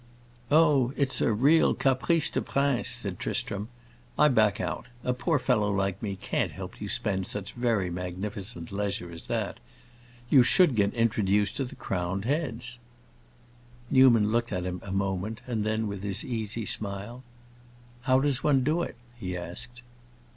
"Oh, it's a real caprice de prince," said Tristram. "I back out; a poor devil like me can't help you to spend such very magnificent leisure as that. You should get introduced to the crowned heads." Newman looked at him a moment, and then, with his easy smile, "How does one do it?" he asked.